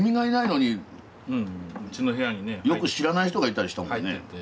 よく知らない人がいたりしたもんね。